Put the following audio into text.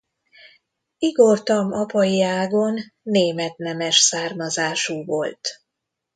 Igor Tamm apai ágon német nemes származású volt.